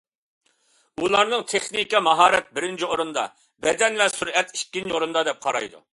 ئۇلارنىڭ تېخنىكا، ماھارەت بىرىنچى ئورۇندا، بەدەن ۋە سۈرئەت ئىككىنچى ئورۇندا دەپ قارايدۇ.